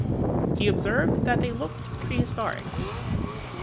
He observed that they looked prehistoric.